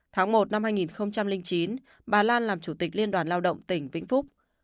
tháng một năm hai nghìn chín bà lan làm chủ tịch liên đoàn lao động tỉnh vĩnh phúc